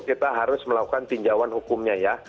kita harus melakukan tinjauan hukumnya ya